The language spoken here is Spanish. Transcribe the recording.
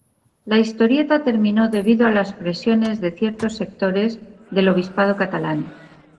La historieta terminó debido a las presiones de ciertos sectores del Obispado catalán.